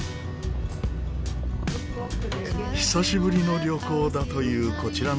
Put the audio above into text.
久しぶりの旅行だというこちらのご夫婦。